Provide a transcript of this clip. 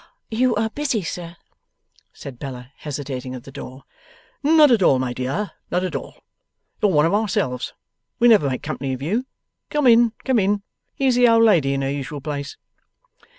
'You are busy, sir,' said Bella, hesitating at the door. 'Not at all, my dear, not at all. You're one of ourselves. We never make company of you. Come in, come in. Here's the old lady in her usual place.